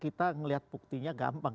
kita melihat buktinya gampang